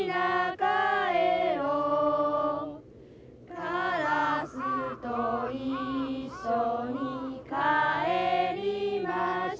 「からすと一緒にかえりましょう」